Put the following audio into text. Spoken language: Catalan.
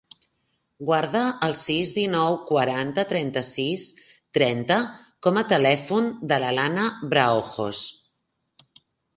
Guarda el sis, dinou, quaranta, trenta-sis, trenta com a telèfon de l'Alana Braojos.